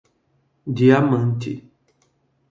Diamante